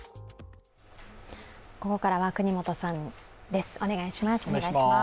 ここからは國本さんです。